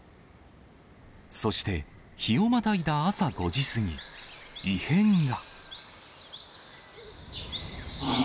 そして日をまたいだ朝５時過ぎ、異変が。